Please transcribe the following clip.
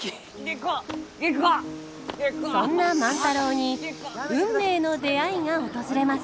そんな万太郎に運命の出会いが訪れます。